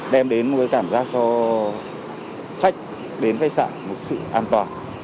đem đến một cái cảm giác cho khách đến khách sạn một sự an toàn